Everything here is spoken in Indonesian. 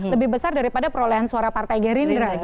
lebih besar daripada perolehan suara partai gerindra